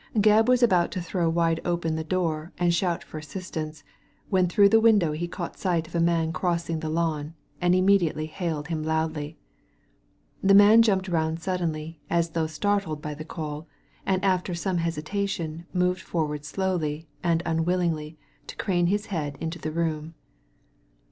Gebb was about to throw wide open the door, and shout for assistance, when through the window he caught sight of a man crossing the lawn, and immediately hailed him loudly. The man jumped round suddenly as though startled by the call, and after some hesitation moved forward slowly and unwillingly to crane his head into the room.